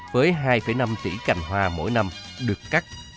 với hai năm tỷ cành hoa mỗi năm được cắt